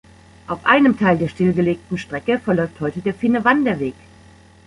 Auf einem Teil der stillgelegten Strecke verläuft heute der Finne-Wanderweg.